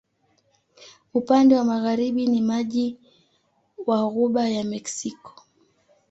Upande wa magharibi ni maji wa Ghuba ya Meksiko.